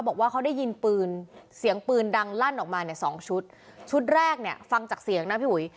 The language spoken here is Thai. บอกว่าเขาได้ยินปืนเสียงปืนดังลั่นออกมาเนี่ยสองชุดชุดแรกเนี่ยฟังจากเสียงนะพี่อุ๋ย